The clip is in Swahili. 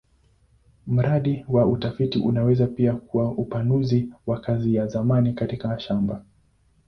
Mradi wa utafiti unaweza pia kuwa upanuzi wa kazi ya zamani katika shamba.